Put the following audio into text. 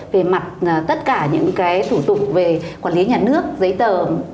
về mặt tất cả những thủ tục về quản lý nhà nước giấy tờ